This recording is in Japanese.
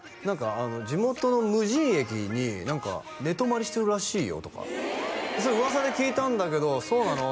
「地元の無人駅に何か寝泊まりしてるらしいよ」とか「噂で聞いたんだけどそうなの？」